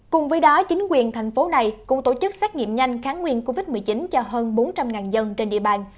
cùng với đó chính quyền thành phố này cũng tổ chức xét nghiệm nhanh kháng nguyên covid một mươi chín cho hơn bốn trăm linh dân trên địa bàn